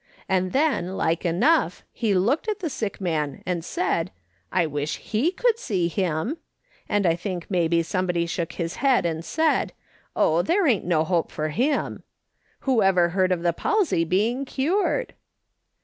And then, like enough, he looked at the sick man and said, I wish he could see him. And I think jnaybe somebody shook his head and said, Oh, there ain't no hope for him I Whoever heard of the palsy being cured